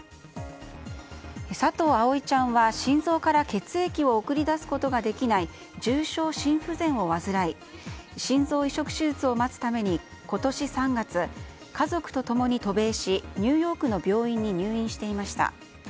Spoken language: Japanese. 佐藤葵ちゃんは、心臓から血液を送り出すことができない重症心不全を患い心臓移植手術を待つために今年３月、家族と共に渡米しニューヨークの病院に入院していました。